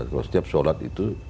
setiap sholat itu